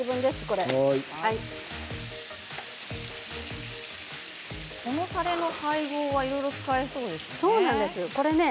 このたれの配合はいろいろ使えそうですね。